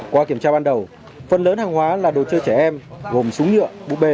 qua kiểm tra ban đầu phần lớn hàng hóa là đồ chơi trẻ em gồm súng nhựa